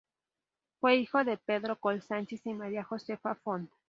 Fue hijo de Pedro Coll Sánchez y María Josefa Font.